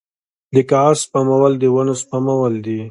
د کاغذ سپمول د ونو سپمول دي